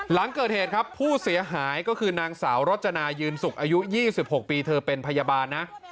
หลังเกิดเหตุครับผู้เสียหายก็คือนางสาวรจนายืนสุกอายุ๒๖ปีเธอเป็นพยาบาลนะ